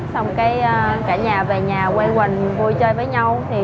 xong cái cả nhà về nhà quen quần vui chơi với nhau